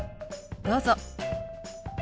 どうぞ。